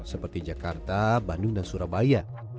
seperti jakarta bandung dan surabaya